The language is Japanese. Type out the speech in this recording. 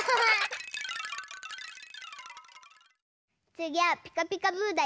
つぎは「ピカピカブ！」だよ。